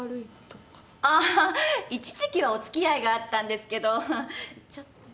ああ一時期はお付き合いがあったんですけどちょっと。